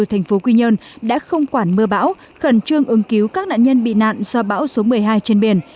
thành phố quy nhơn đã không quản mưa bão khẩn trương ứng cứu các nạn nhân bị nạn do bão số một mươi hai trên biển